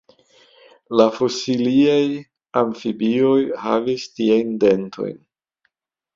La fosiliaj amfibioj havis tiajn dentojn.